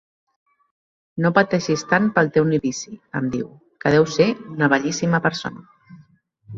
No pateixis tant pel teu novici —em diu—, que deu ser una bellíssima persona.